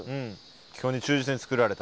基本に忠実に作られたと。